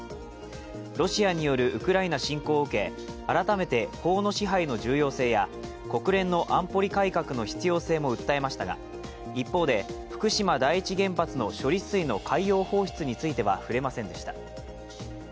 ロシアによるウクライナ侵攻を受け、改めて法の支配の重要性や国連の安保理改革の必要性も訴えましたが、一方で、福島第一原発の処理水の海洋放出については、触れませんでした。